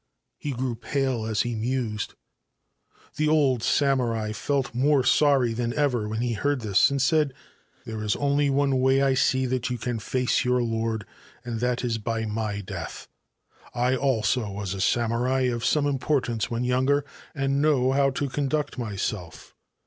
He grew pak he mused. 146 "heft and Recovery of a Golden Kwannon The old samurai felt more sorry than ever when he ;ard this, and said :' There is only one way I see that you can face your rd, and that is by my death. I also was a samurai some importance when younger, and know how to •nduct myself.